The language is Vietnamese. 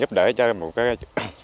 giúp đỡ cho một cái